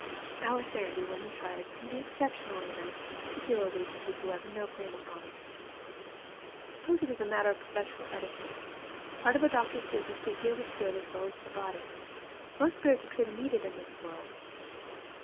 Our Sandy, when he tries, can be exceptionally nice, particularly to people who have no claim upon him. I suppose it is a matter of professional etiquette part of a doctor's business to heal the spirit as well as the body. Most spirits appear to need it in this world.